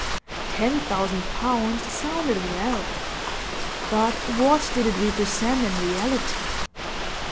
Ten thousand pounds sounded well, but what did it represent in reality?